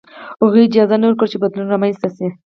هغوی اجازه نه ورکوله چې بدلون رامنځته شي.